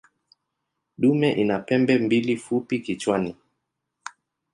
Dume ina pembe mbili fupi kichwani.